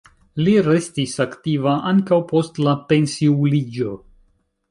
Li restis aktiva ankaŭ post la pensiuliĝo.